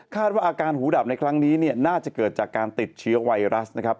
ว่าอาการหูดับในครั้งนี้น่าจะเกิดจากการติดเชื้อไวรัสนะครับ